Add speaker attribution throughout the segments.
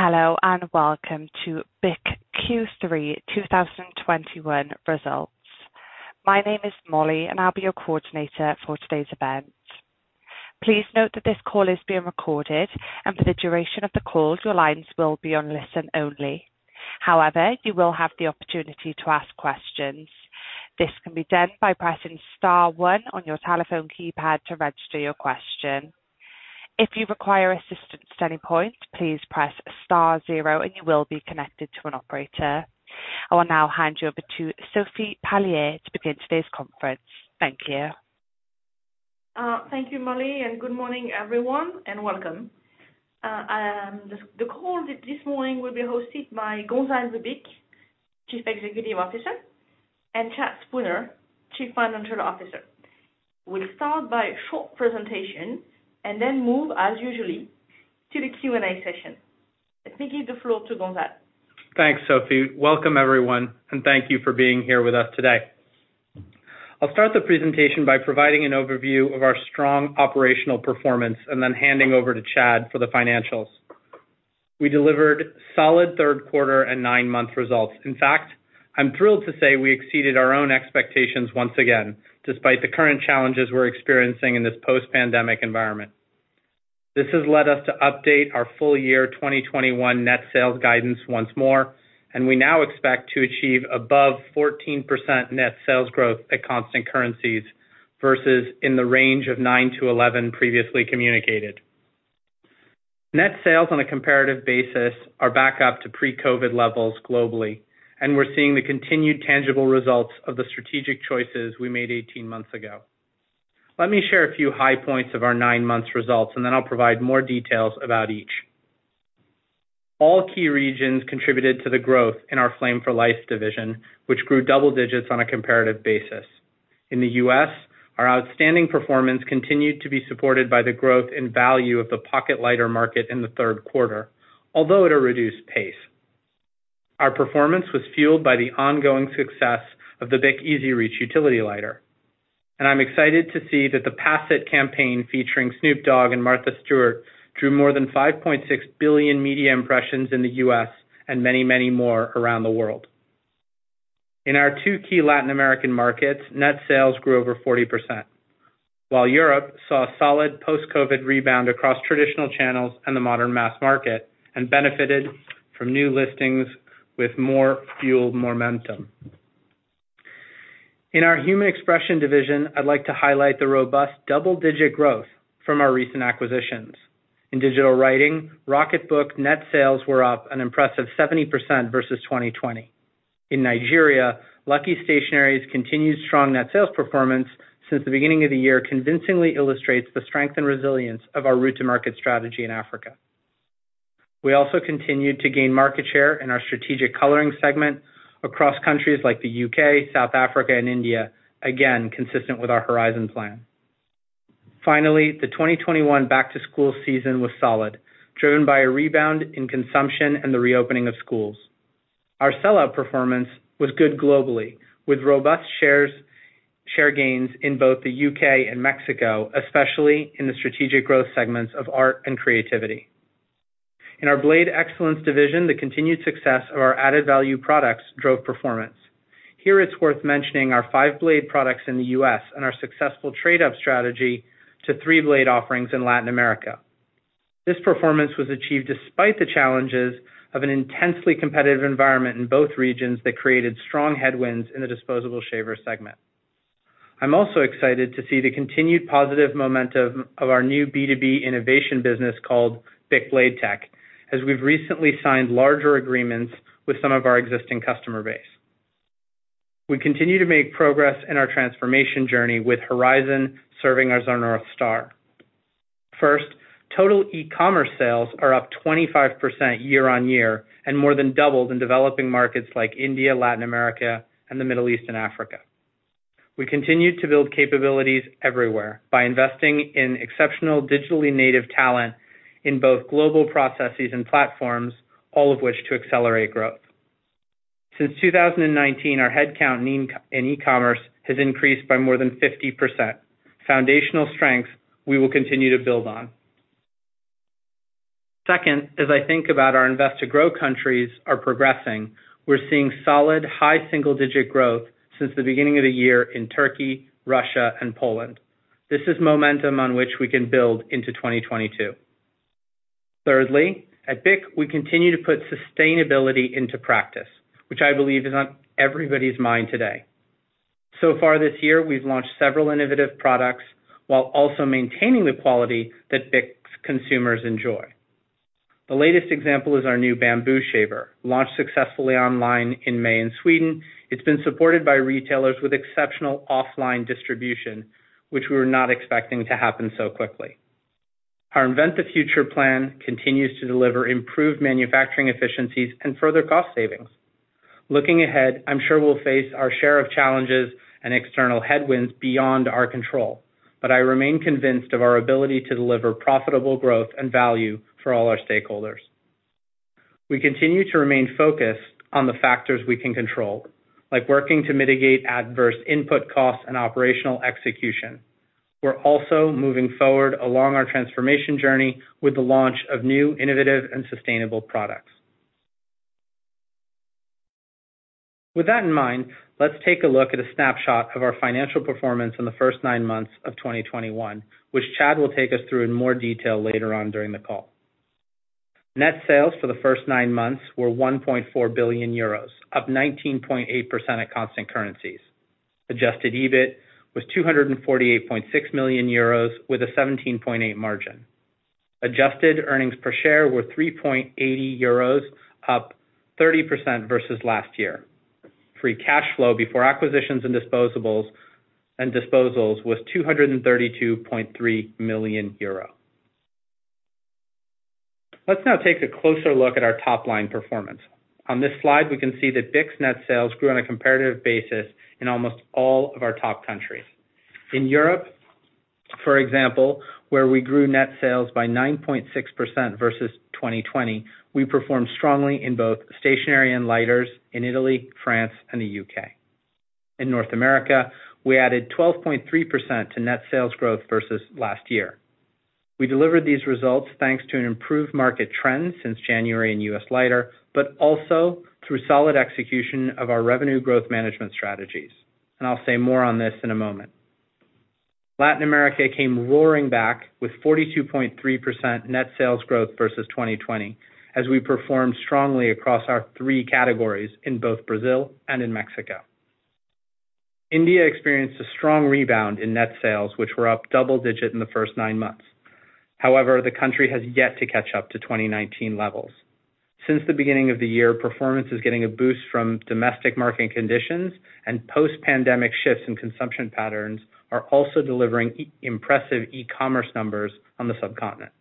Speaker 1: Hello, and welcome to BIC Q3 2021 results. My name is Molly, and I'll be your coordinator for today's event. Please note that this call is being recorded, and for the duration of the call, your lines will be on listen only. However, you will have the opportunity to ask questions. This can be done by pressing star one on your telephone keypad to register your question. If you require assistance at any point, please press star zero, and you will be connected to an operator. I will now hand you over to Sophie Palliez-Capian to begin today's conference. Thank you.
Speaker 2: Thank you, Molly, and good morning, everyone, and welcome. The call this morning will be hosted by Gonzalve Bich, Chief Executive Officer, and Chad Spooner, Chief Financial Officer. We'll start by a short presentation and then move, as usually, to the Q&A session. I give the floor to Gonzalve Bich.
Speaker 3: Thanks, Sophie. Welcome, everyone, and thank you for being here with us today. I'll start the presentation by providing an overview of our strong operational performance and then handing over to Chad for the financials. We delivered solid third quarter and 9-month results. In fact, I'm thrilled to say we exceeded our own expectations once again, despite the current challenges we're experiencing in this post-pandemic environment. This has led us to update our full year 2021 net sales guidance once more, and we now expect to achieve above 14% net sales growth at constant currencies, versus in the range of 9%-11% previously communicated. Net sales on a comparative basis are back up to pre-COVID levels globally, and we're seeing the continued tangible results of the strategic choices we made 18 months ago. Let me share a few high points of our nine months results, and then I'll provide more details about each. All key regions contributed to the growth in our Flame for Life division, which grew double digits on a comparative basis. In the U.S., our outstanding performance continued to be supported by the growth in value of the pocket lighter market in the third quarter, although at a reduced pace. Our performance was fueled by the ongoing success of the BIC EZ Reach Utility Lighter. I'm excited to see that the Pass It campaign featuring Snoop Dogg and Martha Stewart drew more than 5.6 billion media impressions in the U.S. and many, many more around the world. In our two key Latin American markets, net sales grew over 40%, while Europe saw a solid post-COVID rebound across traditional channels and the modern mass market, and benefited from new listings with more fueled momentum. In our Human Expression Division, I'd like to highlight the robust double-digit growth from our recent acquisitions. In digital writing, Rocketbook net sales were up an impressive 70% versus 2020. In Nigeria, Lucky Stationery's continued strong net sales performance since the beginning of the year convincingly illustrates the strength and resilience of our route to market strategy in Africa. We also continued to gain market share in our strategic coloring segment across countries like the U.K., South Africa, and India, again, consistent with our Horizon plan. Finally, the 2021 back to school season was solid, driven by a rebound in consumption and the reopening of schools. Our sellout performance was good globally, with robust share gains in both the U.K. and Mexico, especially in the strategic growth segments of art and creativity. In our Blade Excellence division, the continued success of our added value products drove performance. Here, it's worth mentioning our five-blade products in the U.S. and our successful trade-up strategy to three-blade offerings in Latin America. This performance was achieved despite the challenges of an intensely competitive environment in both regions that created strong headwinds in the disposable shaver segment. I'm also excited to see the continued positive momentum of our new B2B innovation business called BIC Blade-Tech, as we've recently signed larger agreements with some of our existing customer base. We continue to make progress in our transformation journey with Horizon serving as our North Star. First, total e-commerce sales are up 25% year-on-year and more than doubled in developing markets like India, Latin America, and the Middle East and Africa. We continue to build capabilities everywhere by investing in exceptional digitally native talent in both global processes and platforms, all of which to accelerate growth. Since 2019, our headcount in e-commerce has increased by more than 50%, foundational strength we will continue to build on. Second, as I think about our invest to grow countries are progressing, we're seeing solid high single-digit growth since the beginning of the year in Turkey, Russia, and Poland. This is momentum on which we can build into 2022. Thirdly, at BIC, we continue to put sustainability into practice, which I believe is on everybody's mind today. So far this year, we've launched several innovative products while also maintaining the quality that BIC's consumers enjoy. The latest example is our new BIC Bamboo, launched successfully online in May in Sweden. It's been supported by retailers with exceptional offline distribution, which we were not expecting to happen so quickly. Our Invent the Future plan continues to deliver improved manufacturing efficiencies and further cost savings. Looking ahead, I'm sure we'll face our share of challenges and external headwinds beyond our control, but I remain convinced of our ability to deliver profitable growth and value for all our stakeholders. We continue to remain focused on the factors we can control, like working to mitigate adverse input costs and operational execution. We're also moving forward along our transformation journey with the launch of new innovative and sustainable products. With that in mind, let's take a look at a snapshot of our financial performance in the first 9 months of 2021, which Chad will take us through in more detail later on during the call. Net sales for the first 9 months were 1.4 billion euros, up 19.8% at constant currencies. Adjusted EBIT was 248.6 million euros, with a 17.8% margin. Adjusted earnings per share were 3.80 euros, up 30% versus last year. Free cash flow before acquisitions and disposals was 232.3 million euro. Let's now take a closer look at our top-line performance. On this slide, we can see that BIC's net sales grew on a comparative basis in almost all of our top countries. In Europe, for example, where we grew net sales by 9.6% versus 2020, we performed strongly in both stationery and lighters in Italy, France, and the U.K. In North America, we added 12.3% to net sales growth versus last year. We delivered these results thanks to an improved market trend since January in U.S. lighter, but also through solid execution of our revenue growth management strategies. I'll say more on this in a moment. Latin America came roaring back with 42.3% net sales growth versus 2020, as we performed strongly across our three categories in both Brazil and in Mexico. India experienced a strong rebound in net sales, which were up double-digit in the first nine months. However, the country has yet to catch up to 2019 levels. Since the beginning of the year, performance is getting a boost from domestic market conditions, and post-pandemic shifts in consumption patterns are also delivering impressive e-commerce numbers on the subcontinent.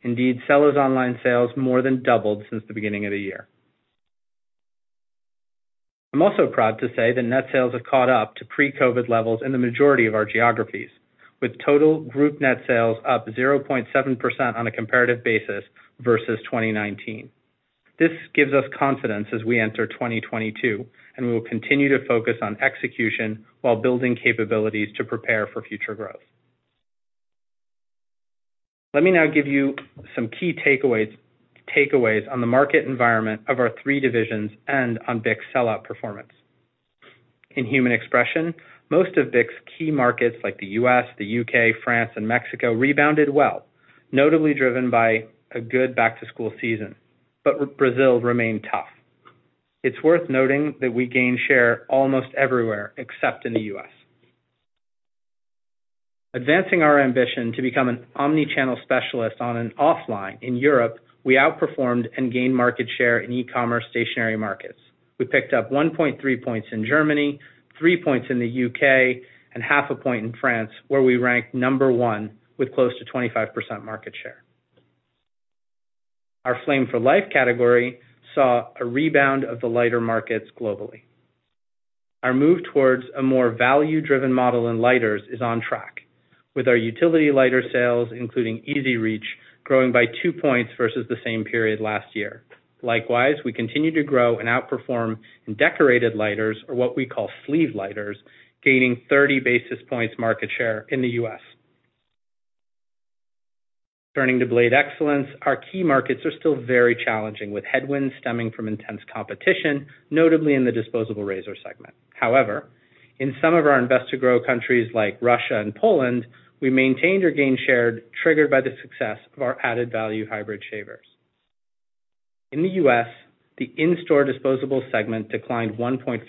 Speaker 3: Indeed, sellers' online sales more than doubled since the beginning of the year. I'm also proud to say that net sales have caught up to pre-COVID levels in the majority of our geographies, with total group net sales up 0.7% on a comparative basis versus 2019. This gives us confidence as we enter 2022, and we will continue to focus on execution while building capabilities to prepare for future growth. Let me now give you some key takeaways on the market environment of our three divisions and on BIC's sellout performance. In Human Expression, most of BIC's key markets, like the U.S., the U.K., France, and Mexico rebounded well, notably driven by a good back to school season. Brazil remained tough. It's worth noting that we gained share almost everywhere except in the U.S. Advancing our ambition to become an omni-channel specialist in offline and online in Europe, we outperformed and gained market share in e-commerce stationery markets. We picked up 1.3 points in Germany, 3 points in the U.K., and half a point in France, where we ranked number one with close to 25% market share. Our Flame for Life category saw a rebound of the lighter markets globally. Our move towards a more value-driven model in lighters is on track, with our utility lighter sales, including EZ Reach, growing by 2 points versus the same period last year. Likewise, we continue to grow and outperform in decorated lighters, or what we call sleeve lighters, gaining 30 basis points market share in the U.S. Turning to Blade Excellence, our key markets are still very challenging, with headwinds stemming from intense competition, notably in the disposable razor segment. However, in some of our invest to grow countries like Russia and Poland, we maintained or gained share triggered by the success of our added value hybrid shavers. In the U.S., the in-store disposable segment declined 1.5%,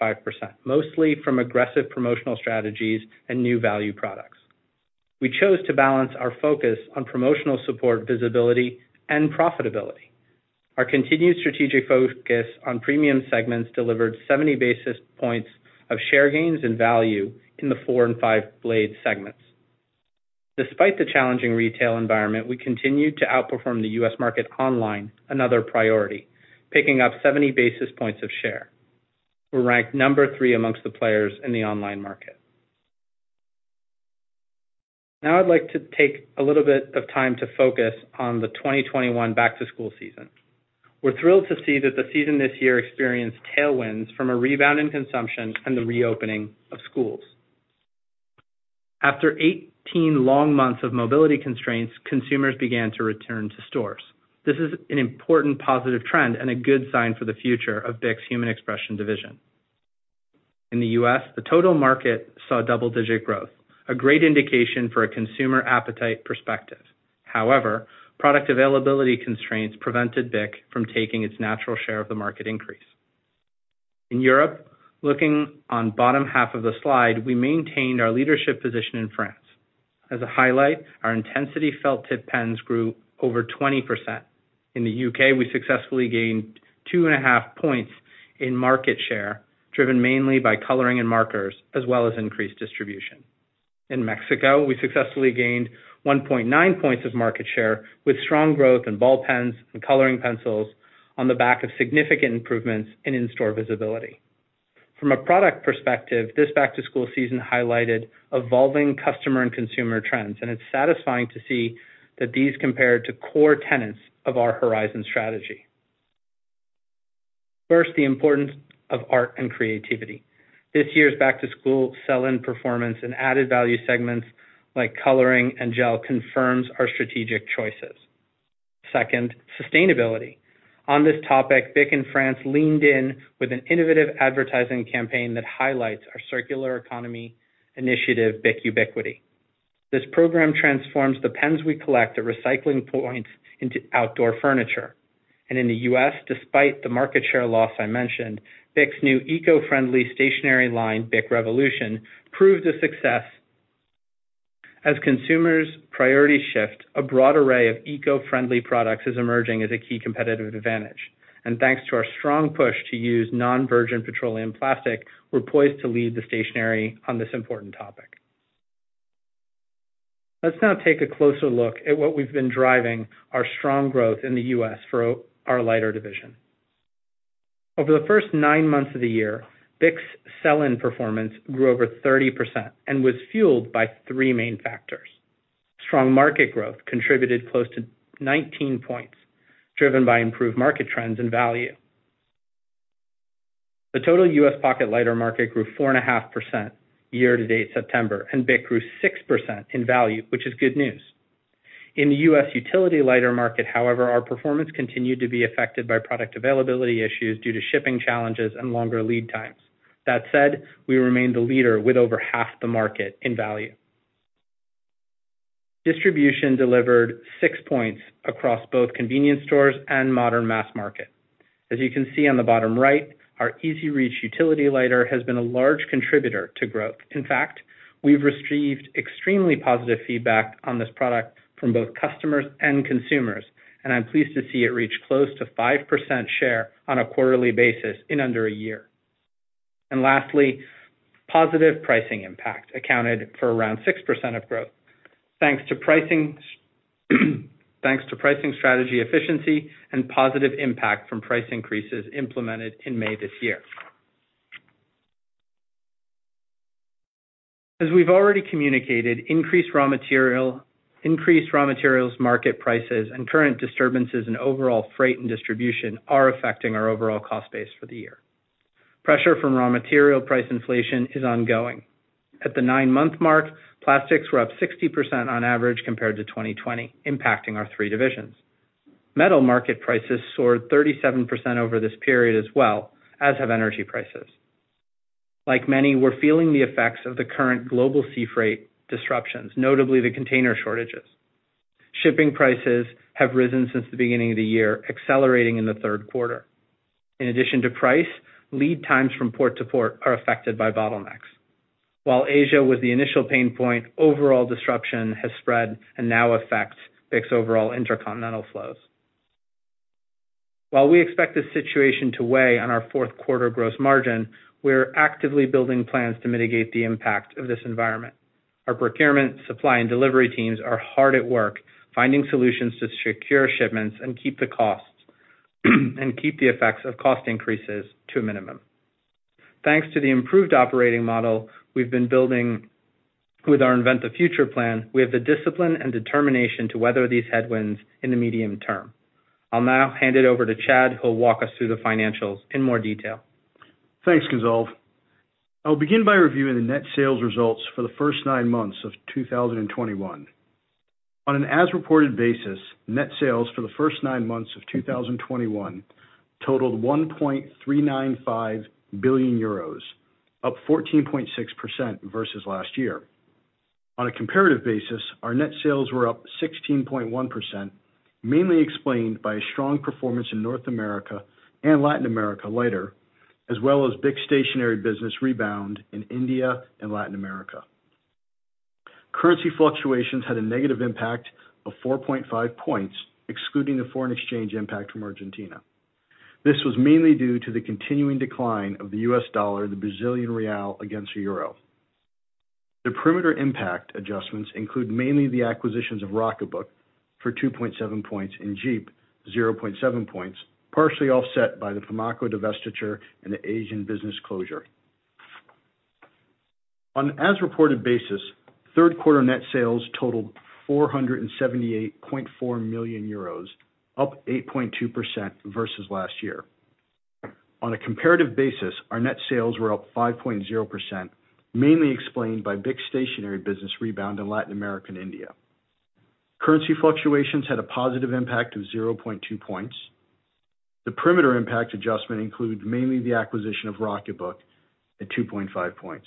Speaker 3: mostly from aggressive promotional strategies and new value products. We chose to balance our focus on promotional support, visibility, and profitability. Our continued strategic focus on premium segments delivered 70 basis points of share gains and value in the four and five-blade segments. Despite the challenging retail environment, we continued to outperform the U.S. market online, another priority, picking up 70 basis points of share. We're ranked number 3 amongst the players in the online market. Now I'd like to take a little bit of time to focus on the 2021 back-to-school season. We're thrilled to see that the season this year experienced tailwinds from a rebound in consumption and the reopening of schools. After 18 long months of mobility constraints, consumers began to return to stores. This is an important positive trend and a good sign for the future of BIC's Human Expression division. In the U.S., the total market saw double-digit growth, a great indication for a consumer appetite perspective. However, product availability constraints prevented BIC from taking its natural share of the market increase. In Europe, looking on bottom half of the slide, we maintained our leadership position in France. As a highlight, our Intensity felt tip pens grew over 20%. In the U.K., we successfully gained 2.5 points in market share, driven mainly by coloring and markers, as well as increased distribution. In Mexico, we successfully gained 1.9 points of market share, with strong growth in ball pens and coloring pencils on the back of significant improvements in in-store visibility. From a product perspective, this back-to-school season highlighted evolving customer and consumer trends, and it's satisfying to see that these compare to core tenets of our Horizon strategy. First, the importance of art and creativity. This year's back-to-school sell-in performance and added value segments like coloring and gel confirms our strategic choices. Second, sustainability. On this topic, BIC in France leaned in with an innovative advertising campaign that highlights our circular economy initiative, BIC Ubiquity. This program transforms the pens we collect at recycling points into outdoor furniture. In the U.S., despite the market share loss I mentioned, BIC's new eco-friendly stationery line, BIC ReVolution, proved a success. As consumers' priority shift, a broad array of eco-friendly products is emerging as a key competitive advantage. Thanks to our strong push to use non-virgin petroleum plastic, we're poised to lead the stationery on this important topic. Let's now take a closer look at what we've been driving our strong growth in the U.S. for our lighter division. Over the first nine months of the year, BIC's sell-in performance grew over 30% and was fueled by three main factors. Strong market growth contributed close to 19 points, driven by improved market trends and value. The total U.S. pocket lighter market grew 4.5% year-to-date September, and BIC grew 6% in value, which is good news. In the U.S. utility lighter market, however, our performance continued to be affected by product availability issues due to shipping challenges and longer lead times. That said, we remain the leader with over half the market in value. Distribution delivered 6 points across both convenience stores and modern mass market. As you can see on the bottom right, our EZ Reach utility lighter has been a large contributor to growth. In fact, we've received extremely positive feedback on this product from both customers and consumers, and I'm pleased to see it reach close to 5% share on a quarterly basis in under a year. Lastly, positive pricing impact accounted for around 6% of growth, thanks to pricing strategy efficiency and positive impact from price increases implemented in May this year. As we've already communicated, increased raw materials market prices, and current disturbances in overall freight and distribution are affecting our overall cost base for the year. Pressure from raw material price inflation is ongoing. At the nine-month mark, plastics were up 60% on average compared to 2020, impacting our three divisions. Metal market prices soared 37% over this period as well, as have energy prices. Like many, we're feeling the effects of the current global sea freight disruptions, notably the container shortages. Shipping prices have risen since the beginning of the year, accelerating in the third quarter. In addition to price, lead times from port to port are affected by bottlenecks. While Asia was the initial pain point, overall disruption has spread and now affects BIC's overall intercontinental flows. While we expect this situation to weigh on our fourth quarter gross margin, we're actively building plans to mitigate the impact of this environment. Our procurement, supply, and delivery teams are hard at work finding solutions to secure shipments and keep the costs, and keep the effects of cost increases to a minimum. Thanks to the improved operating model we've been building with our Invent the Future plan, we have the discipline and determination to weather these headwinds in the medium term. I'll now hand it over to Chad, who will walk us through the financials in more detail.
Speaker 4: Thanks, Gonzalve. I'll begin by reviewing the net sales results for the first nine months of 2021. On an as-reported basis, net sales for the first nine months of 2021 totaled 1.395 billion euros, up 14.6% versus last year. On a comparative basis, our net sales were up 16.1%, mainly explained by strong performance in North America and Latin America lighter, as well as BIC stationery business rebound in India and Latin America. Currency fluctuations had a negative impact of 4.5 points, excluding the foreign exchange impact from Argentina. This was mainly due to the continuing decline of the U.S. dollar, the Brazilian real against the euro. The perimeter impact adjustments include mainly the acquisitions of Rocketbook for 2.7 points, and Djeep, 0.7 points, partially offset by the Pimaco divestiture and the Asian business closure. On as-reported basis, third quarter net sales totaled 478.4 million euros, up 8.2% versus last year. On a comparative basis, our net sales were up 5.0%, mainly explained by BIC stationery business rebound in Latin America and India. Currency fluctuations had a positive impact of 0.2 points. The perimeter impact adjustment includes mainly the acquisition of Rocketbook at 2.5 points.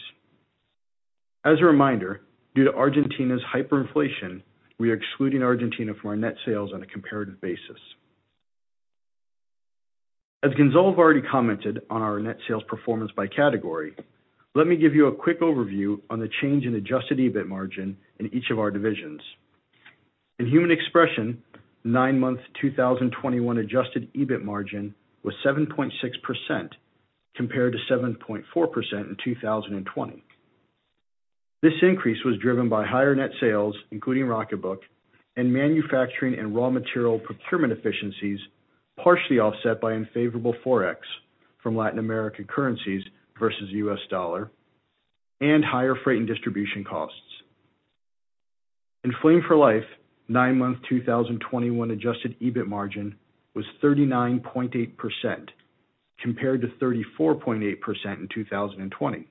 Speaker 4: As a reminder, due to Argentina's hyperinflation, we are excluding Argentina from our net sales on a comparative basis. As Gonzalve already commented on our net sales performance by category, let me give you a quick overview on the change in adjusted EBIT margin in each of our divisions. In Human Expression, 9-month 2021 adjusted EBIT margin was 7.6% compared to 7.4% in 2020. This increase was driven by higher net sales, including Rocketbook and manufacturing and raw material procurement efficiencies, partially offset by unfavorable Forex from Latin America currencies versus U.S. dollar and higher freight and distribution costs. In Flame for Life, 9-month 2021 adjusted EBIT margin was 39.8% compared to 34.8% in 2020,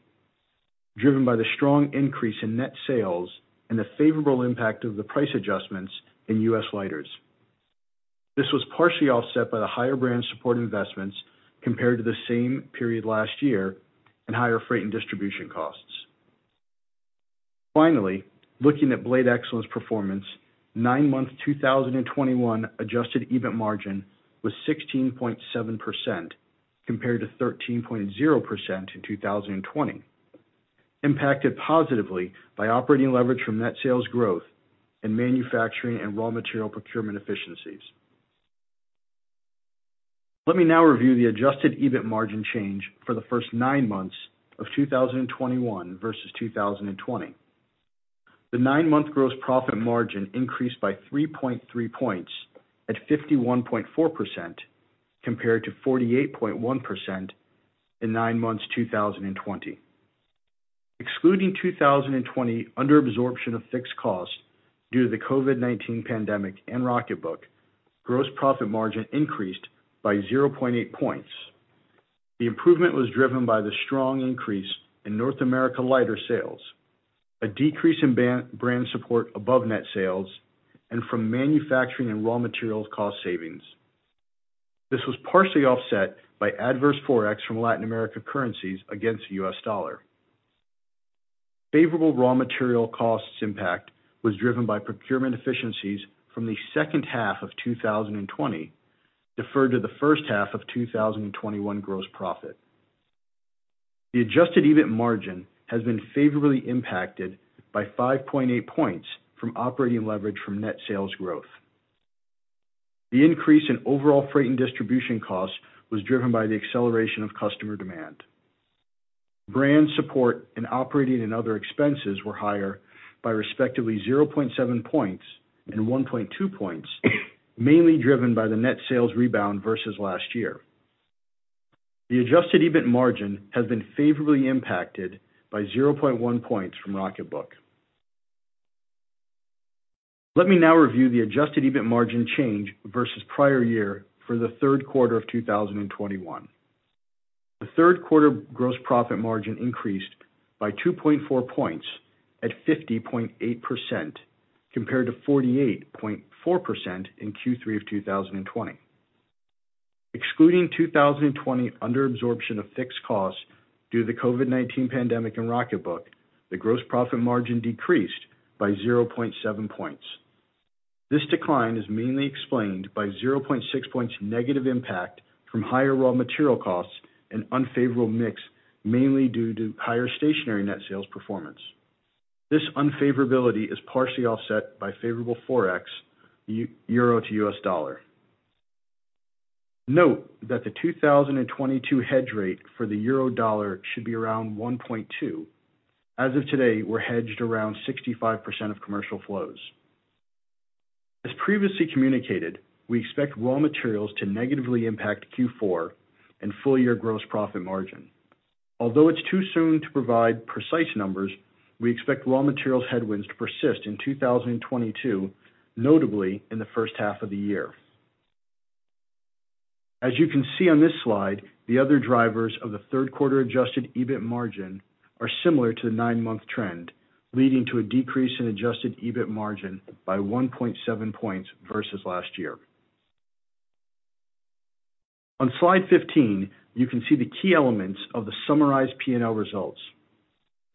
Speaker 4: driven by the strong increase in net sales and the favorable impact of the price adjustments in U.S. Lighters. This was partially offset by the higher brand support investments compared to the same period last year and higher freight and distribution costs. Looking at Blade Excellence performance, nine-month 2021 adjusted EBIT margin was 16.7% compared to 13.0% in 2020, impacted positively by operating leverage from net sales growth and manufacturing and raw material procurement efficiencies. Let me now review the adjusted EBIT margin change for the first nine months of 2021 versus 2020. The nine-month gross profit margin increased by 3.3 points at 51.4% compared to 48.1% in nine months 2020. Excluding 2020 under absorption of fixed costs due to the COVID-19 pandemic and Rocketbook, gross profit margin increased by 0.8 points. The improvement was driven by the strong increase in North America lighter sales, a decrease in brand support above net sales, and from manufacturing and raw materials cost savings. This was partially offset by adverse Forex from Latin America currencies against the U.S. dollar. Favorable raw material costs impact was driven by procurement efficiencies from the second half of 2020, deferred to the first half of 2021 gross profit. The adjusted EBIT margin has been favorably impacted by 5.8 points from operating leverage from net sales growth. The increase in overall freight and distribution costs was driven by the acceleration of customer demand. Brand support and operating and other expenses were higher by respectively 0.7 points and 1.2 points, mainly driven by the net sales rebound versus last year. The adjusted EBIT margin has been favorably impacted by 0.1 points from Rocketbook. Let me now review the adjusted EBIT margin change versus prior year for the third quarter of 2021. The third quarter gross profit margin increased by 2.4 points at 50.8% compared to 48.4% in Q3 of 2020. Excluding 2020 under absorption of fixed costs due to the COVID-19 pandemic and Rocketbook, the gross profit margin decreased by 0.7 points. This decline is mainly explained by 0.6 points negative impact from higher raw material costs and unfavorable mix, mainly due to higher stationery net sales performance. This unfavorability is partially offset by favorable Forex, euro to U.S. dollar. Note that the 2022 hedge rate for the euro dollar should be around 1.2. As of today, we're hedged around 65% of commercial flows. As previously communicated, we expect raw materials to negatively impact Q4 and full year gross profit margin. Although it's too soon to provide precise numbers, we expect raw materials headwinds to persist in 2022, notably in the first half of the year. As you can see on this slide, the other drivers of the third quarter adjusted EBIT margin are similar to the 9-month trend, leading to a decrease in adjusted EBIT margin by 1.7 points versus last year. On slide 15, you can see the key elements of the summarized P&L results.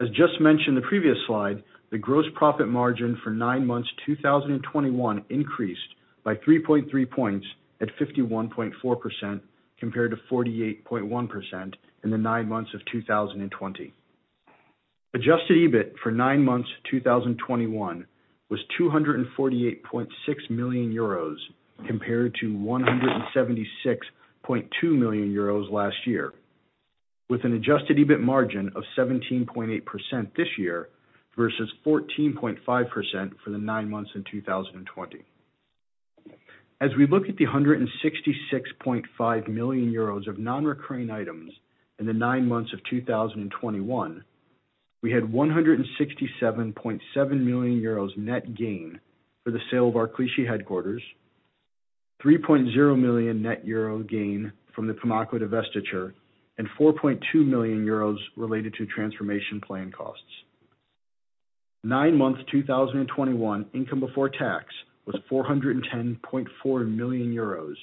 Speaker 4: As just mentioned in the previous slide, the gross profit margin for 9 months 2021 increased by 3.3 points at 51.4% compared to 48.1% in the 9 months of 2020. Adjusted EBIT for 9 months 2021 was 248.6 million euros compared to 176.2 million euros last year, with an adjusted EBIT margin of 17.8% this year versus 14.5% for the 9 months in 2020. As we look at 166.5 million euros of non-recurring items in the nine months of 2021, we had 167.7 million euros net gain for the sale of our Clichy headquarters, 3.0 million euro net gain from the Pimaco divestiture, and 4.2 million euros related to transformation plan costs. In the nine months of 2021, income before tax was 410.4 million euros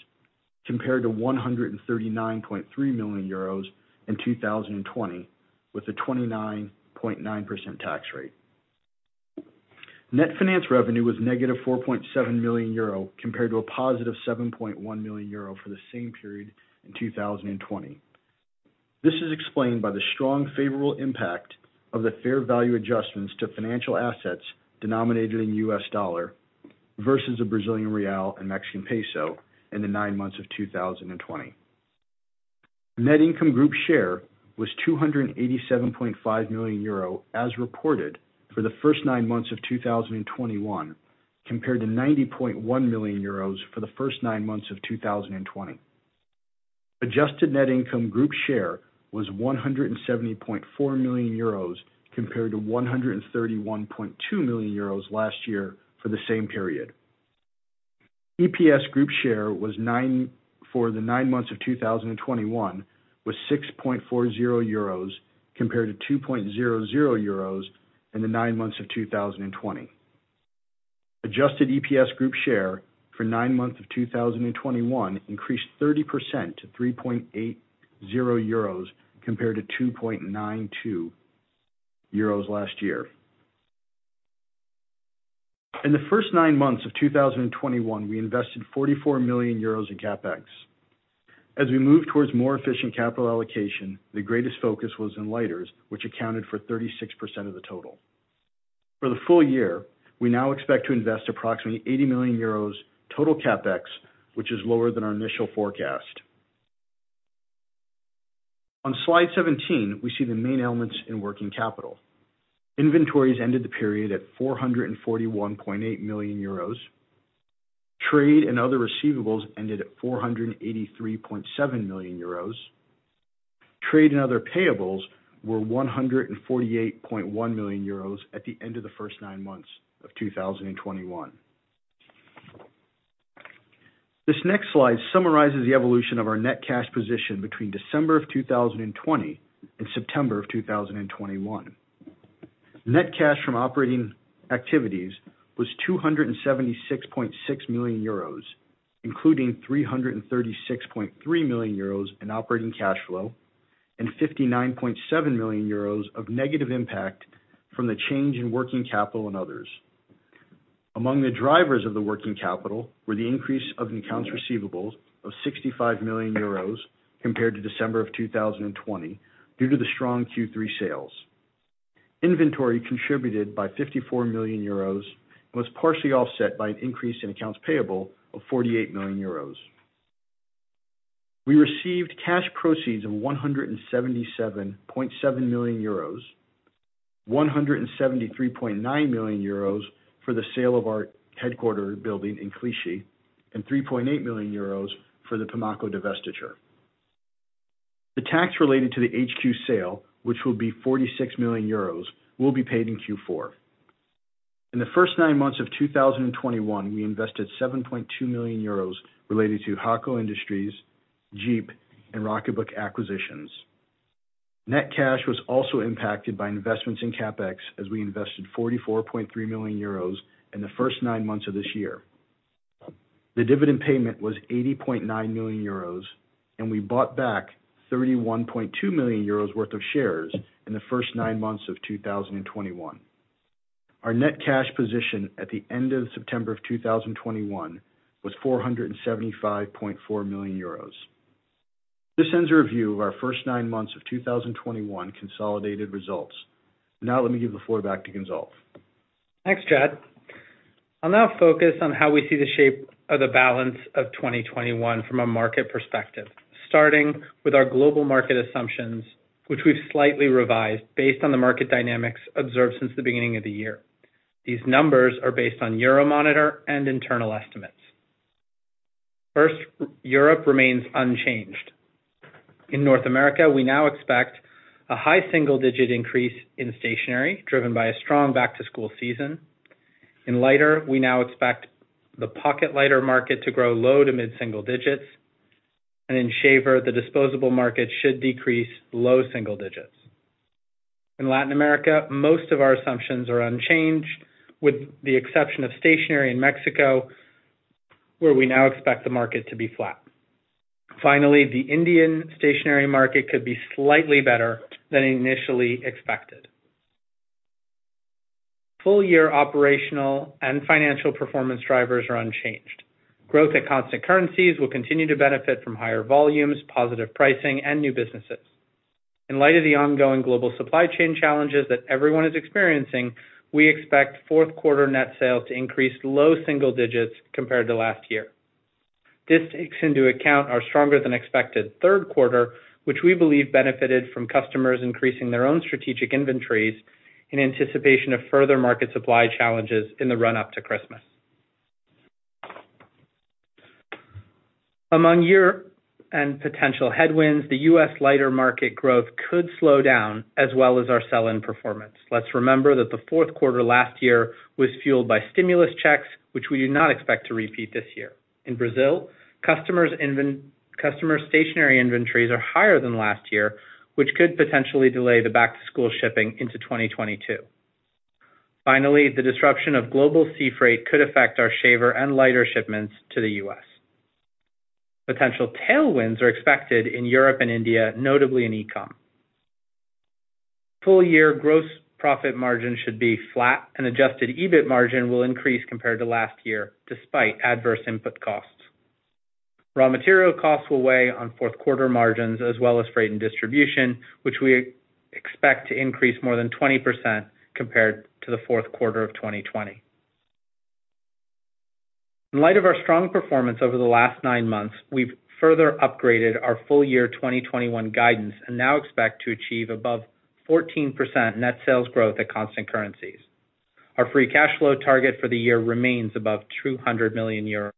Speaker 4: compared to 139.3 million euros in 2020, with a 29.9% tax rate. Net finance revenue was negative 4.7 million euro compared to a positive 7.1 million euro for the same period in 2020. This is explained by the strong favorable impact of the fair value adjustments to financial assets denominated in US dollar versus the Brazilian real and Mexican peso in the nine months of 2020. Net income group share was 287.5 million euro as reported for the first nine months of 2021, compared to 90.1 million euros for the first nine months of 2020. Adjusted net income group share was 170.4 million euros compared to 131.2 million euros last year for the same period. EPS group share for the nine months of 2021 was 6.40 euros compared to 2.00 euros in the nine months of 2020. Adjusted EPS group share for nine months of 2021 increased 30% to 3.80 euros compared to 2.92 euros last year. In the first nine months of 2021, we invested 44 million euros in CapEx. As we move towards more efficient capital allocation, the greatest focus was in lighters, which accounted for 36% of the total. For the full year, we now expect to invest approximately 80 million euros total CapEx, which is lower than our initial forecast. On slide 17, we see the main elements in working capital. Inventories ended the period at 441.8 million euros. Trade and other receivables ended at 483.7 million euros. Trade and other payables were 148.1 million euros at the end of the first nine months of 2021. This next slide summarizes the evolution of our net cash position between December of 2020 and September of 2021. Net cash from operating activities was 276.6 million euros, including 336.3 million euros in operating cash flow and 59.7 million euros of negative impact from the change in working capital and others. Among the drivers of the working capital were the increase of accounts receivables of 65 million euros compared to December of 2020 due to the strong Q3 sales. Inventory contributed by 54 million euros and was partially offset by an increase in accounts payable of 48 million euros. We received cash proceeds of 177.7 million euros, 173.9 million euros for the sale of our headquarters building in Clichy, and 3.8 million euros for the Pimaco divestiture. The tax related to the HQ sale, which will be 46 million euros, will be paid in Q4. In the first nine months of 2021, we invested 7.2 million euros related to Haco Industries, Djeep, and Rocketbook acquisitions. Net cash was also impacted by investments in CapEx as we invested 44.3 million euros in the first nine months of this year. The dividend payment was 80.9 million euros, and we bought back 31.2 million euros worth of shares in the first nine months of 2021. Our net cash position at the end of September of 2021 was 475.4 million euros. This ends the review of our first nine months of 2021 consolidated results. Now let me give the floor back to Gonzalve.
Speaker 3: Thanks, Chad. I'll now focus on how we see the shape of the balance of 2021 from a market perspective, starting with our global market assumptions, which we've slightly revised based on the market dynamics observed since the beginning of the year. These numbers are based on Euromonitor and internal estimates. First, Europe remains unchanged. In North America, we now expect a high single-digit increase in stationery, driven by a strong back-to-school season. In lighter, we now expect the pocket lighter market to grow low- to mid-single digits. In shaver, the disposable market should decrease low single digits. In Latin America, most of our assumptions are unchanged, with the exception of stationery in Mexico, where we now expect the market to be flat. Finally, the Indian stationery market could be slightly better than initially expected. Full-year operational and financial performance drivers are unchanged. Growth at constant currencies will continue to benefit from higher volumes, positive pricing, and new businesses. In light of the ongoing global supply chain challenges that everyone is experiencing, we expect fourth quarter net sales to increase low single digits compared to last year. This takes into account our stronger than expected third quarter, which we believe benefited from customers increasing their own strategic inventories in anticipation of further market supply challenges in the run-up to Christmas. Among year-end and potential headwinds, the U.S. lighter market growth could slow down as well as our sell-in performance. Let's remember that the fourth quarter last year was fueled by stimulus checks, which we do not expect to repeat this year. In Brazil, customer stationery inventories are higher than last year, which could potentially delay the back-to-school shipping into 2022. Finally, the disruption of global sea freight could affect our shaver and lighter shipments to the U.S. Potential tailwinds are expected in Europe and India, notably in e-com. Full-year gross profit margin should be flat, and adjusted EBIT margin will increase compared to last year, despite adverse input costs. Raw material costs will weigh on fourth quarter margins as well as freight and distribution, which we expect to increase more than 20% compared to the fourth quarter of 2020. In light of our strong performance over the last nine months, we've further upgraded our full year 2021 guidance and now expect to achieve above 14% net sales growth at constant currencies. Our free cash flow target for the year remains above 200 million euros.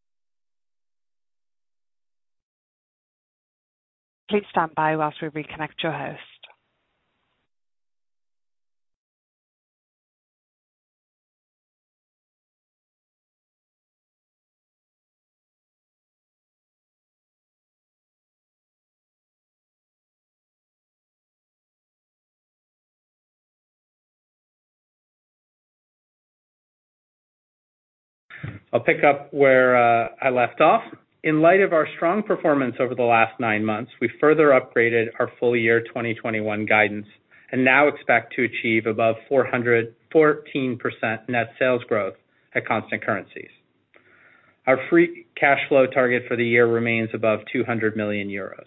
Speaker 1: Please stand by whilst we reconnect your host.
Speaker 3: I'll pick up where I left off. In light of our strong performance over the last nine months, we further upgraded our full-year 2021 guidance and now expect to achieve above 414% net sales growth at constant currencies. Our free cash flow target for the year remains above 200 million euros.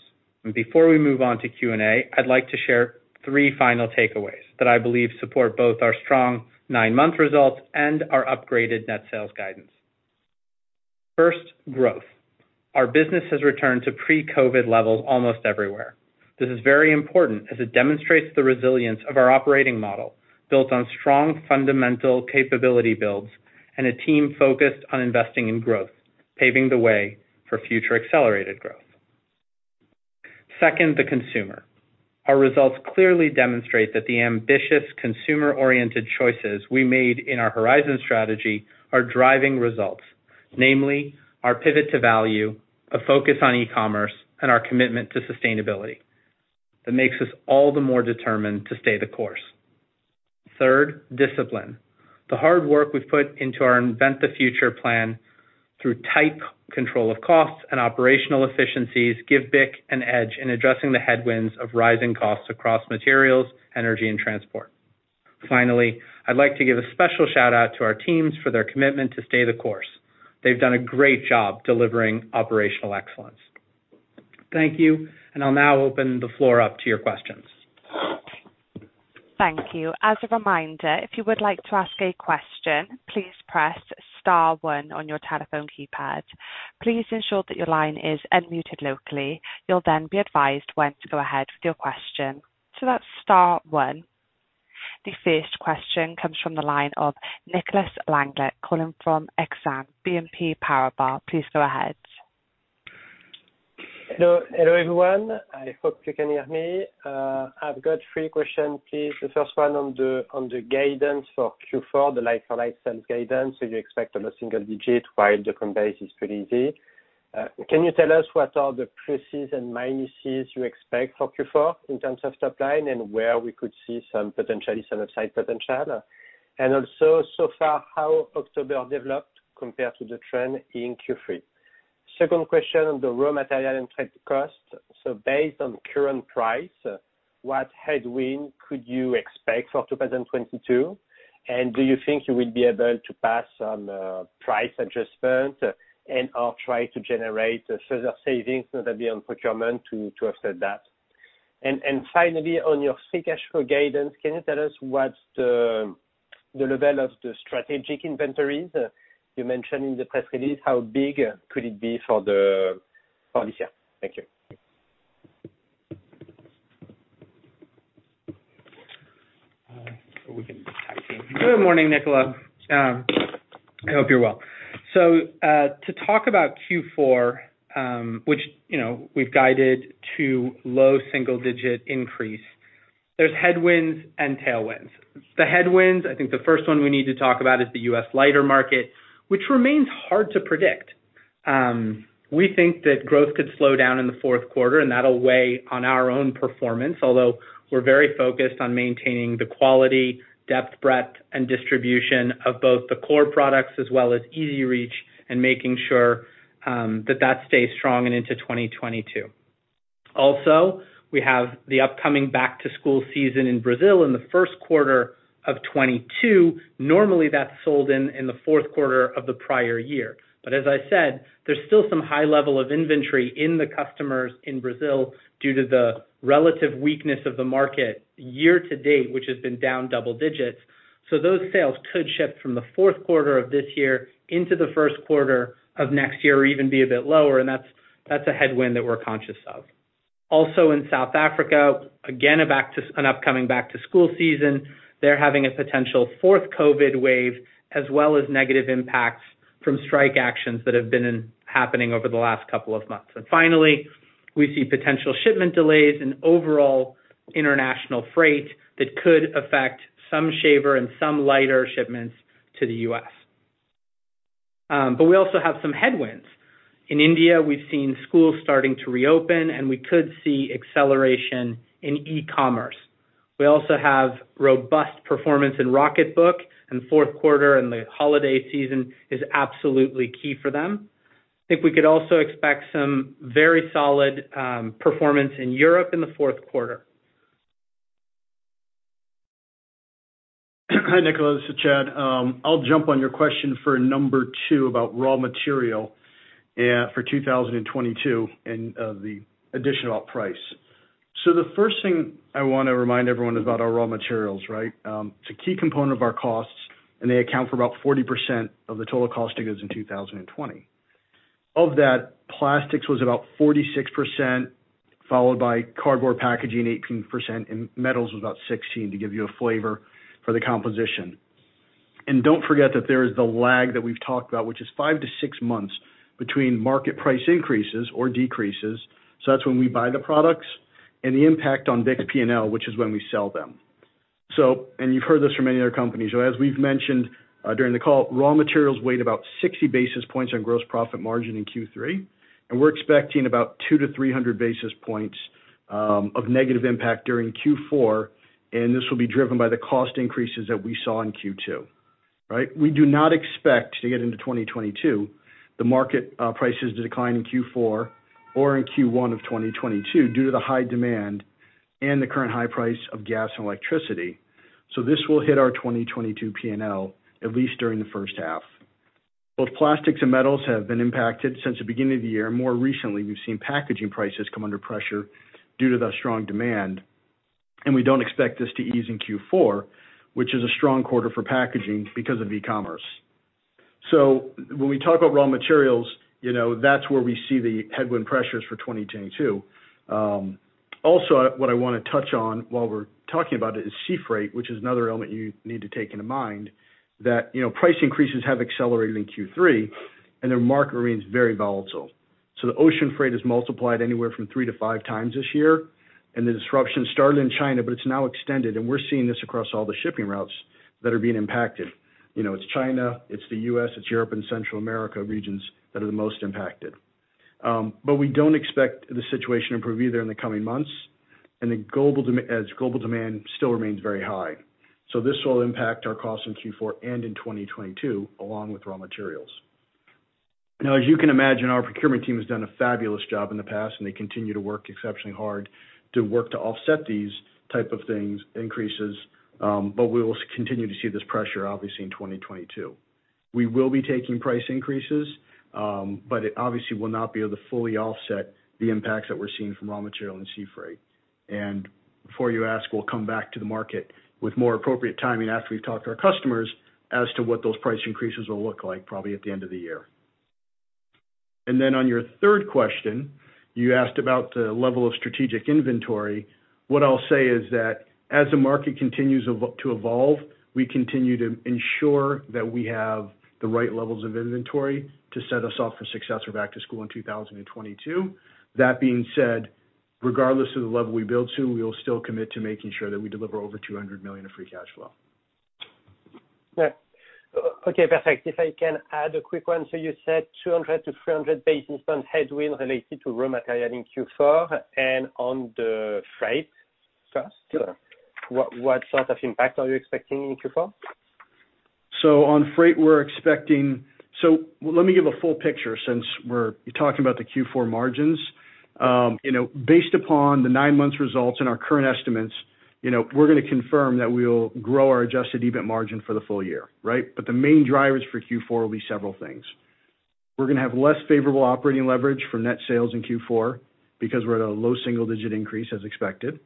Speaker 3: Before we move on to Q&A, I'd like to share three final takeaways that I believe support both our strong nine-month results and our upgraded net sales guidance. First, growth. Our business has returned to pre-COVID levels almost everywhere. This is very important as it demonstrates the resilience of our operating model, built on strong fundamental capability builds and a team focused on investing in growth, paving the way for future accelerated growth. Second, the consumer. Our results clearly demonstrate that the ambitious consumer-oriented choices we made in our Horizon strategy are driving results, namely our pivot to value, a focus on e-commerce, and our commitment to sustainability. That makes us all the more determined to stay the course. Third, discipline. The hard work we've put into our Invent the Future plan through tight control of costs and operational efficiencies give BIC an edge in addressing the headwinds of rising costs across materials, energy, and transport. Finally, I'd like to give a special shout-out to our teams for their commitment to stay the course. They've done a great job delivering operational excellence. Thank you, and I'll now open the floor up to your questions.
Speaker 1: Thank you. As a reminder, if you would like to ask a question, please press star one on your telephone keypad. Please ensure that your line is unmuted locally. You'll then be advised when to go ahead with your question. That's star one. The first question comes from the line of Nicolas Langlet, calling from Exane BNP Paribas. Please go ahead.
Speaker 5: Hello, everyone. I hope you can hear me. I've got three questions, please. The first one on the guidance for Q4, the like-for-like sales guidance. You expect a low single-digit% while the comparables is pretty easy. Can you tell us what are the pluses and minuses you expect for Q4 in terms of top line and where we could see some potentially upside potential? Also, so far, how October developed compared to the trend in Q3? Second question on the raw material and freight cost. Based on current price, what headwind could you expect for 2022? Do you think you will be able to pass on price adjustments and/or try to generate further savings, whether it be on procurement to offset that? Finally, on your free cash flow guidance, can you tell us what's the level of the strategic inventories? You mentioned in the press release, how big could it be for this year? Thank you.
Speaker 3: We can tag team. Good morning, Nicolas. I hope you're well. To talk about Q4, which we've guided to low single-digit increase, there's headwinds and tailwinds. The headwinds, I think the first one we need to talk about is the U.S. lighter market, which remains hard to predict. We think that growth could slow down in the fourth quarter, and that'll weigh on our own performance. Although we're very focused on maintaining the quality, depth, breadth, and distribution of both the core products as well as EZ Reach and making sure that that stays strong and into 2022. We have the upcoming back-to-school season in Brazil in the first quarter of 2022. Normally, that's sold in the fourth quarter of the prior year. As I said, there's still some high level of inventory in the customers in Brazil due to the relative weakness of the market year to date, which has been down double digits. Those sales could shift from the fourth quarter of this year into the first quarter of next year, or even be a bit lower, and that's a headwind that we're conscious of. Also in South Africa, again, an upcoming back-to-school season. They're having a potential fourth COVID-19 wave, as well as negative impacts from strike actions that have been happening over the last couple of months. Finally, we see potential shipment delays and overall international freight that could affect some shaver and some lighter shipments to the U.S. We also have some headwinds. In India, we've seen schools starting to reopen, and we could see acceleration in e-commerce. We also have robust performance in Rocketbook in the fourth quarter, and the holiday season is absolutely key for them. I think we could also expect some very solid performance in Europe in the fourth quarter.
Speaker 4: Hi, Nicolas. This is Chad. I'll jump on your question for number 2 about raw material for 2022 and the additional price. The first thing I wanna remind everyone about our raw materials, right? It's a key component of our costs, and they account for about 40% of the total cost of goods in 2020. Of that, plastics was about 46%, followed by cardboard packaging 18%, and metals was about 16%, to give you a flavor for the composition. Don't forget that there is the lag that we've talked about, which is 5-6 months between market price increases or decreases. That's when we buy the products, and the impact on BIC P&L, which is when we sell them. You've heard this from many other companies. As we've mentioned during the call, raw materials weighed about 60 basis points on gross profit margin in Q3, and we're expecting about 200-300 basis points of negative impact during Q4, and this will be driven by the cost increases that we saw in Q2, right? We do not expect the market prices to decline in Q4 or in Q1 of 2022 due to the high demand and the current high price of gas and electricity. This will hit our 2022 P&L at least during the first half. Both plastics and metals have been impacted since the beginning of the year. More recently, we've seen packaging prices come under pressure due to the strong demand, and we don't expect this to ease in Q4, which is a strong quarter for packaging because of e-commerce. When we talk about raw materials that's where we see the headwind pressures for 2022. Also what I wanna touch on while we're talking about it is sea freight, which is another element you need to take into mind, that, you know, price increases have accelerated in Q3, and their market remains very volatile. The ocean freight has multiplied anywhere from 3-5 times this year, and the disruption started in China, but it's now extended, and we're seeing this across all the shipping routes that are being impacted. You know, it's China, it's the U.S., it's Europe and Central America regions that are the most impacted. We don't expect the situation to improve either in the coming months, and as global demand still remains very high. This will impact our costs in Q4 and in 2022, along with raw materials. Now as you can imagine, our procurement team has done a fabulous job in the past, and they continue to work exceptionally hard to offset these type of things, increases, but we will continue to see this pressure obviously in 2022. We will be taking price increases, but it obviously will not be able to fully offset the impacts that we're seeing from raw material and sea freight. Before you ask, we'll come back to the market with more appropriate timing after we've talked to our customers as to what those price increases will look like, probably at the end of the year. Then on your third question, you asked about the level of strategic inventory. What I'll say is that as the market continues to evolve, we continue to ensure that we have the right levels of inventory to set us off for success for back to school in 2022. That being said, regardless of the level we build to, we will still commit to making sure that we deliver over 200 million of free cash flow.
Speaker 5: Yeah. Okay, perfect. If I can add a quick one. You said 200-300 basis points headwind related to raw material in Q4 and on the freight cost.
Speaker 4: Sure.
Speaker 5: What sort of impact are you expecting in Q4?
Speaker 4: Let me give a full picture since we're talking about the Q4 margins. Based upon the nine months' results and our current estimates, you know, we're gonna confirm that we'll grow our adjusted EBIT margin for the full year, right? The main drivers for Q4 will be several things. We're gonna have less favorable operating leverage from net sales in Q4 because we're at a low single-digit increase, as expected.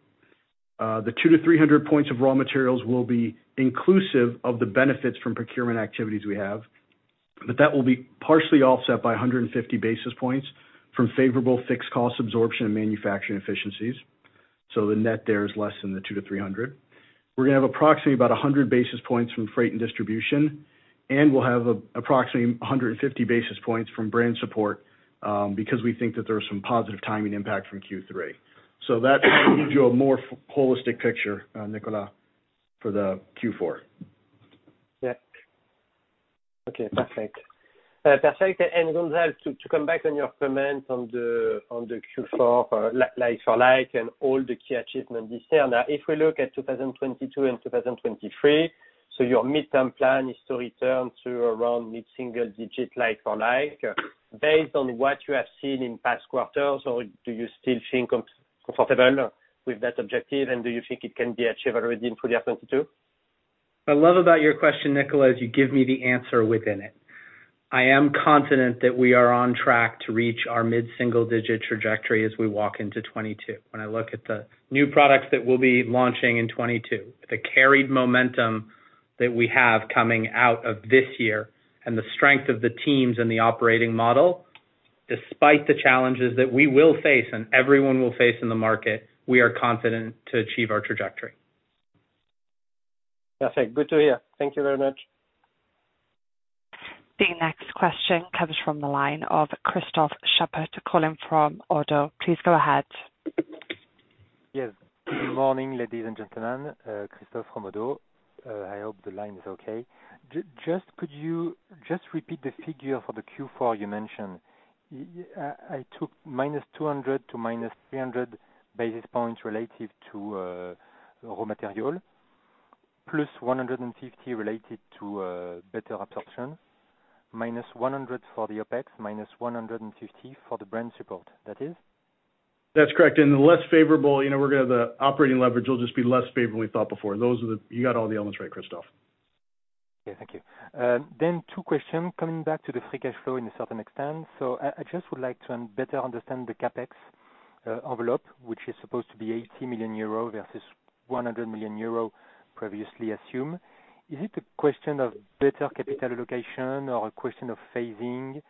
Speaker 4: The 200-300 points of raw materials will be inclusive of the benefits from procurement activities we have, but that will be partially offset by 150 basis points from favorable fixed cost absorption and manufacturing efficiencies. The net there is less than the 200-300. We're gonna have approximately about 100 basis points from freight and distribution, and we'll have approximately 150 basis points from brand support, because we think that there are some positive timing impact from Q3. That gives you a more holistic picture, Nicolas, for the Q4.
Speaker 5: Perfect. Gonzalve Bich, to come back on your comment on the Q4 for like-for-like and all the key achievements this year. Now if we look at 2022 and 2023, your midterm plan is to return to around mid-single-digit like-for-like. Based on what you have seen in past quarters, do you still feel comfortable with that objective, and do you think it can be achieved already in 2022?
Speaker 3: What I love about your question, Nicolas, is you give me the answer within it. I am confident that we are on track to reach our mid-single digit trajectory as we walk into 2022. When I look at the new products that we'll be launching in 2022, the carried momentum that we have coming out of this year, and the strength of the teams and the operating model, despite the challenges that we will face and everyone will face in the market, we are confident to achieve our trajectory.
Speaker 5: Perfect. Good to hear. Thank you very much.
Speaker 1: The next question comes from the line of Christophe Schaad calling from Oddo. Please go ahead.
Speaker 6: Yes. Good morning, ladies and gentlemen. Christophe from Oddo. I hope the line is okay. Just could you just repeat the figure for the Q4 you mentioned? I took -200 to -300 basis points relative to raw material, +150 related to better absorption, -100 for the OpEx, -150 for the brand support. That is?
Speaker 4: That's correct. The less favorable we're gonna have the operating leverage will just be less favorable than we thought before. You got all the elements right, Christophe.
Speaker 6: Thank you. Two questions. Coming back to the free cash flow to a certain extent. I just would like to better understand the CapEx envelope, which is supposed to be 80 million euro versus 100 million euro previously assumed. Is it a question of better capital allocation or a question of phasing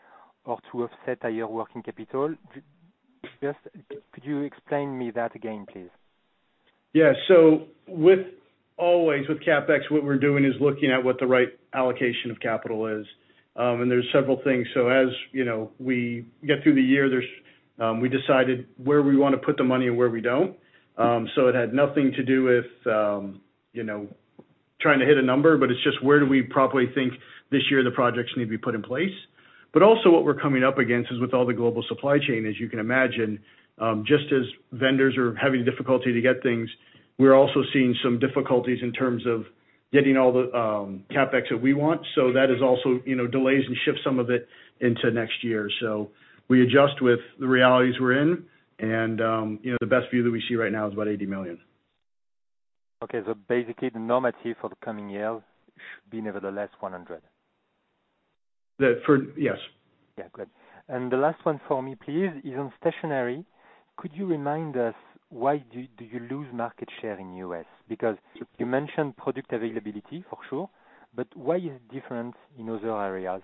Speaker 6: or to offset higher working capital? Just could you explain that to me again, please?
Speaker 4: Yeah. With always with CapEx, what we're doing is looking at what the right allocation of capital is. There's several things. We get through the year, we decided where we wanna put the money and where we don't. It had nothing to do with you know, trying to hit a number, but it's just where do we properly think this year the projects need to be put in place. But also what we're coming up against is with all the global supply chain, as you can imagine, just as vendors are having difficulty to get things, we're also seeing some difficulties in terms of getting all the CapEx that we want. That is also delays and ship some of it into next year. We adjust with the realities we're in and the best view that we see right now is about 80 million.
Speaker 6: Okay. Basically the norm for the coming year should be nevertheless 100.
Speaker 4: Yes.
Speaker 6: Yeah. Good. The last one for me, please, is on stationery. Could you remind us why do you lose market share in U.S.? Because you mentioned product availability for sure, but why is it different in other areas?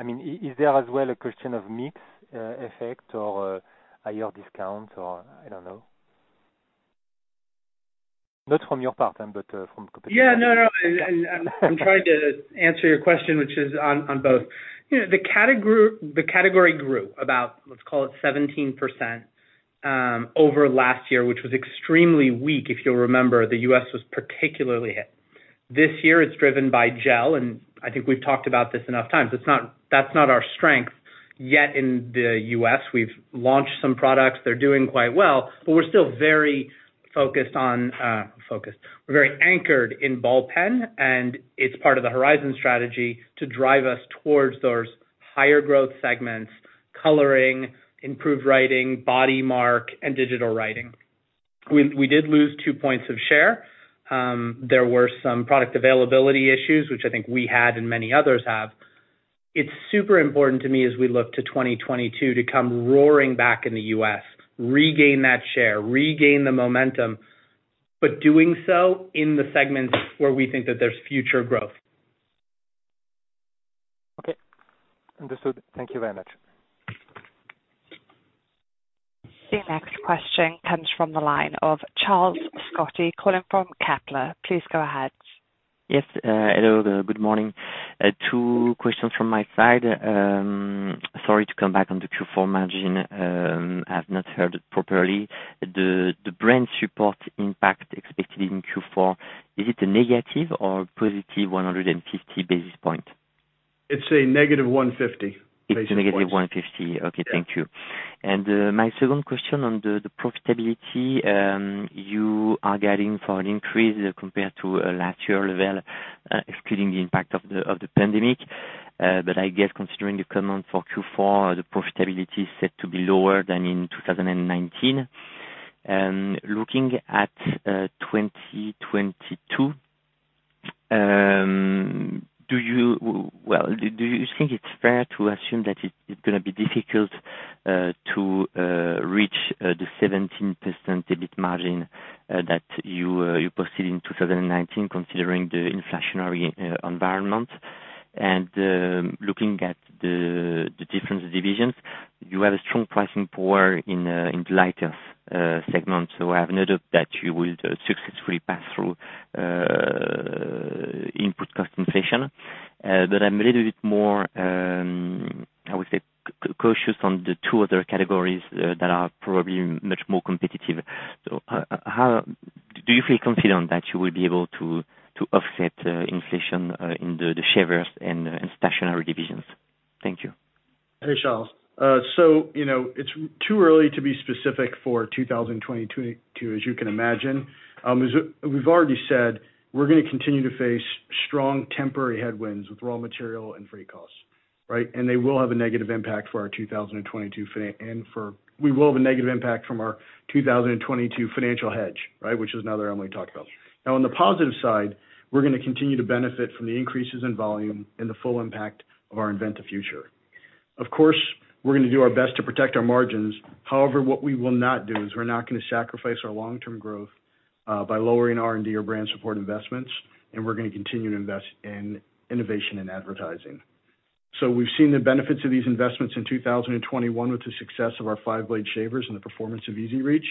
Speaker 6: I mean, is there as well a question of mix effect or a higher discount or I don't know. Not from your part then, but from competition.
Speaker 3: Yeah. No, no. I'm trying to answer your question, which is on both. The category grew about, let's call it 17%, over last year, which was extremely weak. If you'll remember, the U.S. was particularly hit. This year it's driven by gel, and I think we've talked about this enough times. It's not our strength yet in the U.S. We've launched some products. They're doing quite well, but we're still very focused. We're very anchored in ball pen, and it's part of the Horizon strategy to drive us towards those higher growth segments, coloring, improved writing, BodyMark, and digital writing. We did lose two points of share. There were some product availability issues, which I think we had and many others have. It's super important to me as we look to 2022 to come roaring back in the U.S., regain that share, regain the momentum, but doing so in the segments where we think that there's future growth.
Speaker 6: Okay. Understood. Thank you very much.
Speaker 1: The next question comes from the line of Charles-Louis Scotti, calling from Kepler Cheuvreux. Please go ahead.
Speaker 7: Yes. Hello there, good morning. Two questions from my side. Sorry to come back on the Q4 margin. I've not heard it properly. The brand support impact expected in Q4, is it a negative or positive 150 basis point?
Speaker 4: It's a negative 150 basis points.
Speaker 7: It's negative 150.
Speaker 4: Yeah.
Speaker 7: Okay, thank you. My second question on the profitability. You are guiding for an increase compared to last year's level, excluding the impact of the pandemic. But I guess considering the comment for Q4, the profitability is set to be lower than in 2019. Looking at 2022, do you think it's fair to assume that it's gonna be difficult to reach the 17% EBIT margin that you posted in 2019, considering the inflationary environment? Looking at the different divisions, you have a strong pricing power in the lighters segment, so I have no doubt that you will successfully pass through input cost inflation. I'm a little bit more, I would say, cautious on the two other categories that are probably much more competitive. How do you feel confident that you will be able to offset inflation in the shavers and stationery divisions? Thank you.
Speaker 4: Hey, Charles. It's too early to be specific for 2022, as you can imagine. As we've already said, we're gonna continue to face strong temporary headwinds with raw material and freight costs, right? They will have a negative impact for our 2022. We will have a negative impact from our 2022 financial hedge, right? Which is another element we talked about. Now, on the positive side, we're gonna continue to benefit from the increases in volume and the full impact of our Invent the Future. Of course, we're gonna do our best to protect our margins. However, what we will not do is we're not gonna sacrifice our long-term growth by lowering R&D or brand support investments, and we're gonna continue to invest in innovation and advertising. We've seen the benefits of these investments in 2021 with the success of our five-blade shavers and the performance of EZ Reach.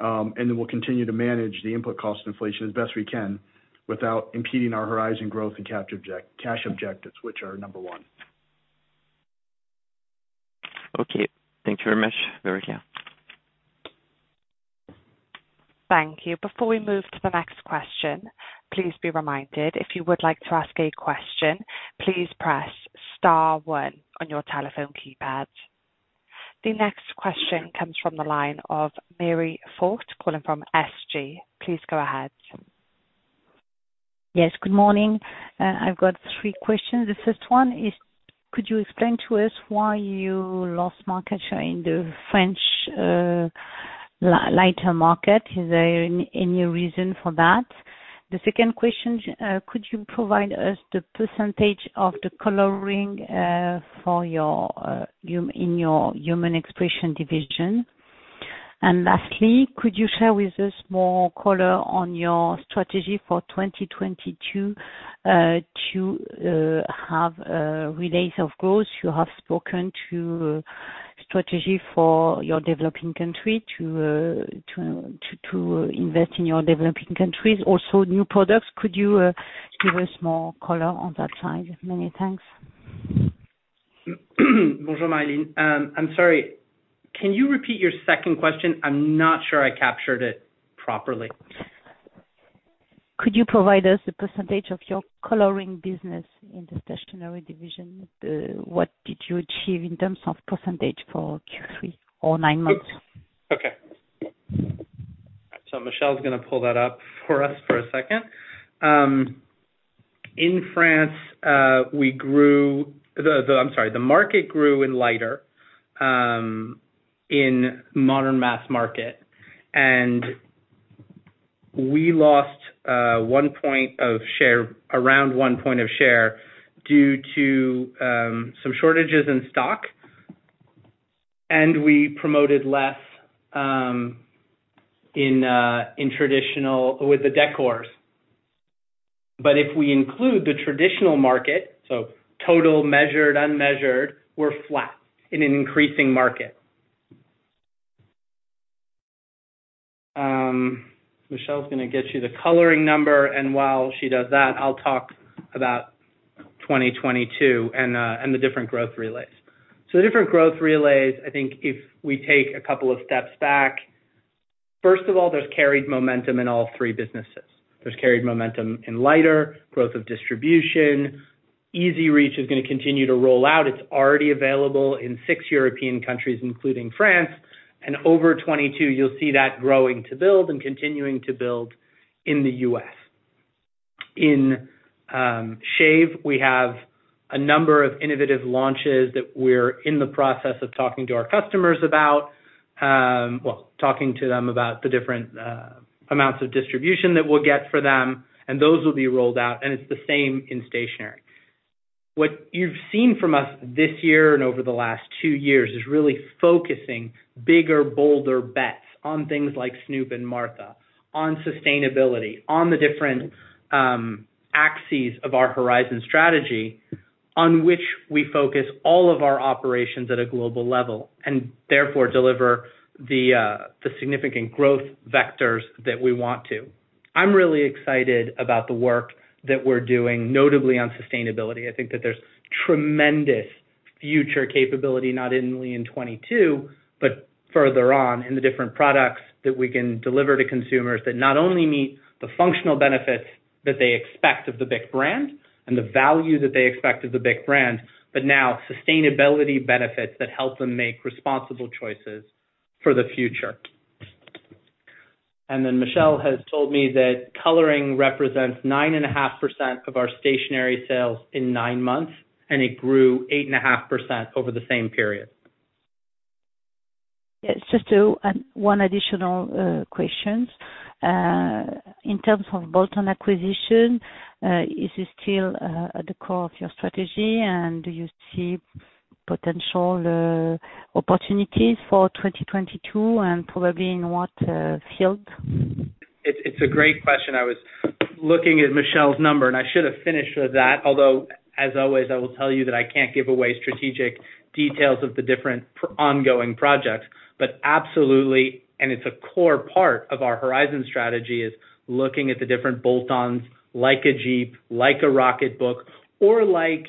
Speaker 4: We'll continue to manage the input cost inflation as best we can without impeding our Horizon growth and cash objectives, which are number one.
Speaker 7: Okay. Thank you very much. Very clear.
Speaker 1: Thank you. Before we move to the next question, please be reminded, if you would like to ask a question, please press star one on your telephone keypad. The next question comes from the line of Marie-Line Fort, calling from SG. Please go ahead.
Speaker 8: Yes, good morning. I've got three questions. The first one is, could you explain to us why you lost market share in the French, Lighter market. Is there any reason for that? The second question, could you provide us the percentage of the coloring for your Human Expression division? Lastly, could you share with us more color on your strategy for 2022 to have a release of growth. You have spoken to strategy for your developing country to invest in your developing countries. Also new products. Could you give us more color on that side? Many thanks.
Speaker 3: Bonjour, Marie-Line. I'm sorry, can you repeat your second question? I'm not sure I captured it properly.
Speaker 8: Could you provide us the percentage of your coloring business in the stationery division? What did you achieve in terms of percentage for Q3 or nine months?
Speaker 3: Okay. Michelle's gonna pull that up for us for a second. In France, the market grew in lighters in modern mass market. We lost around 1 point of share due to some shortages in stock. We promoted less in traditional with the decors. If we include the traditional market, total measured, unmeasured, we're flat in an increasing market. Michelle's gonna get you the coloring number, and while she does that, I'll talk about 2022 and the different growth levers. The different growth levers, I think if we take a couple of steps back, first of all, there's carried momentum in all three businesses. There's carried momentum in lighters, growth of distribution. EZ Reach is gonna continue to roll out. It's already available in six European countries, including France. Over 2022, you'll see that growing to build and continuing to build in the U.S. In shave, we have a number of innovative launches that we're in the process of talking to our customers about, well, talking to them about the different amounts of distribution that we'll get for them, and those will be rolled out, and it's the same in stationery. What you've seen from us this year and over the last two years is really focusing bigger, bolder bets on things like Snoop and Martha, on sustainability, on the different axes of our Horizon strategy on which we focus all of our operations at a global level, and therefore deliver the significant growth vectors that we want to. I'm really excited about the work that we're doing, notably on sustainability. I think that there's tremendous future capability, not only in 2022, but further on in the different products that we can deliver to consumers that not only meet the functional benefits that they expect of the BIC brand and the value that they expect of the BIC brand, but now sustainability benefits that help them make responsible choices for the future. Michelle has told me that coloring represents 9.5% of our stationery sales in 9 months, and it grew 8.5% over the same period.
Speaker 8: It's just one additional question. In terms of bolt-on acquisition, is it still at the core of your strategy? Do you see potential opportunities for 2022 and probably in what field?
Speaker 3: It's a great question. I was looking at Michelle's number, and I should have finished with that. Although, as always, I will tell you that I can't give away strategic details of the different ongoing projects. Absolutely, and it's a core part of our Horizon strategy, is looking at the different bolt-ons like Djeep, like Rocketbook, or like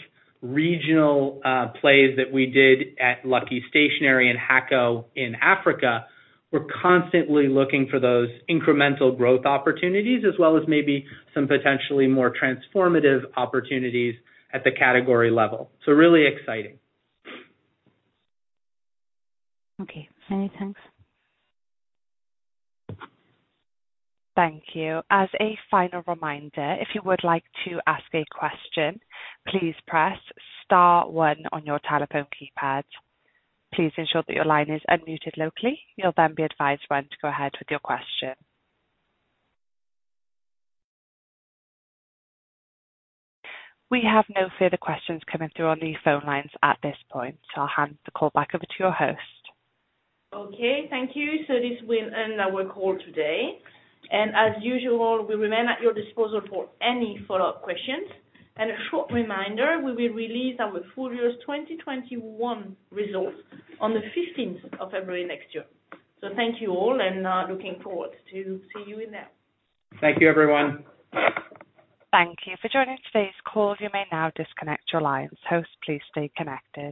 Speaker 3: regional plays that we did at Lucky Stationery and Haco in Africa. We're constantly looking for those incremental growth opportunities as well as maybe some potentially more transformative opportunities at the category level. Really exciting.
Speaker 8: Okay. Many thanks.
Speaker 1: Thank you. As a final reminder, if you would like to ask a question, please press star one on your telephone keypad. Please ensure that your line is unmuted locally. You'll then be advised when to go ahead with your question. We have no further questions coming through on the phone lines at this point, so I'll hand the call back over to your host.
Speaker 2: Okay, thank you. This will end our call today. As usual, we remain at your disposal for any follow-up questions. A short reminder, we will release our full year 2021 results on the fifteenth of February next year. Thank you all, and looking forward to see you in there.
Speaker 3: Thank you, everyone.
Speaker 1: Thank you. For joining today's call, you may now disconnect your lines. Host, please stay connected.